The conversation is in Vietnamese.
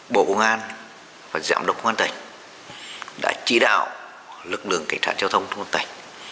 bộ công an và giám đốc công an tỉnh đã chỉ đạo lực lượng cảnh sát giao thông công an tỉnh